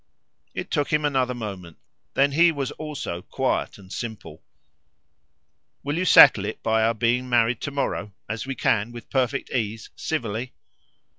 It took him another moment; then he was also quiet and simple. "Will you settle it by our being married to morrow as we can, with perfect ease, civilly?"